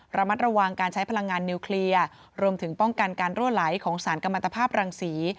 ระมัดระวังการใช้พลังงานนิวเคลียร์รวมถึงป้องกันการรั่วไหลของสารกรรมตภาพรังศรี